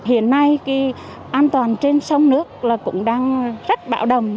hiện nay an toàn trên sông nước cũng đang rất bạo đầm